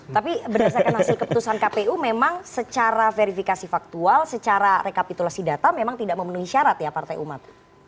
tapi berdasarkan hasil keputusan kpu memang secara verifikasi faktual secara rekapitulasi data memang tidak memenuhi syarat ya partai umat